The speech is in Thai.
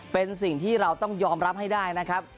เป็นสิ่งที่เราต้องยอมรับให้ได้นะครับ